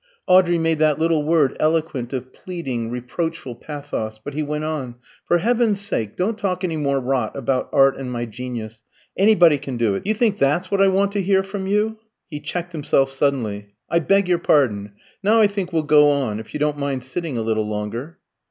Audrey made that little word eloquent of pleading, reproachful pathos; but he went on "For heaven's sake, don't talk any more rot about art and my genius! Anybody can do it. Do you think that's what I want to hear from you?" He checked himself suddenly. "I beg your pardon. Now I think we'll go on, if you don't mind sitting a little longer."